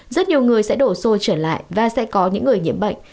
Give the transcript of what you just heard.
rất nhiều người sẽ đổ xô trở lại và sẽ có những người nhiễm bệnh